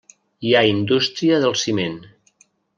Hi ha indústria del ciment.